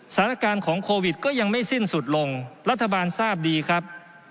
สถานการณ์ของโควิดก็ยังไม่สิ้นสุดลงรัฐบาลทราบดีครับ